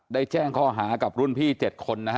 ได้แจ้งข้อหากับรุ่นพี่๗คน